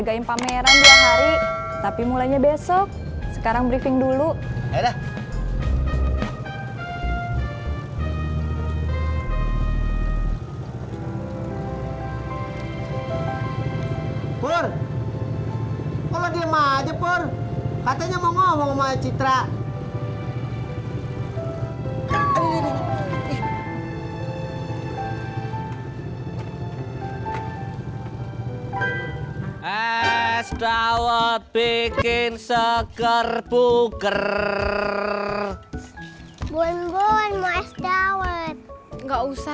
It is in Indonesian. sampai jumpa di video selanjutnya